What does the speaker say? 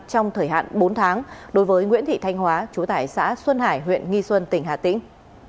trong thời hạn bốn tháng đối với nguyễn thị thanh hóa chú tải xã xuân hải huyện nghi xuân tỉnh hà tĩnh